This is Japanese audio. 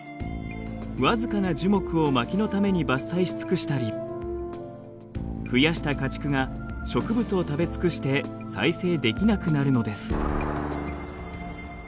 僅かな樹木をまきのために伐採し尽くしたり増やした家畜が植物を食べ尽くして再生できなくなるのです。